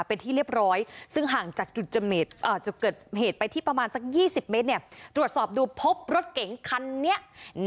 เป็นที่เรียบร้อยซึ่งห่างจากจุดเจมส์จะเกิดเหตุไปที่ประมาณสัก๒๐เมตรเนี่ย